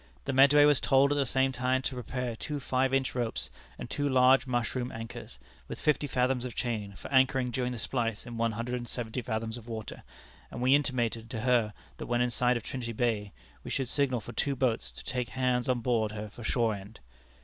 The Medway was told at the same time to prepare two five inch ropes, and two large mushroom anchors, with fifty fathoms of chain, for anchoring during the splice in one hundred and seventy fathoms of water, and we intimated to her that when inside of Trinity Bay we should signal for two boats to take hands on board her for shore end.